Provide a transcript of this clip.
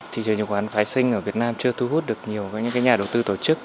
thị trường chứng khoán phái sinh ở việt nam chưa thu hút được nhiều những nhà đầu tư tổ chức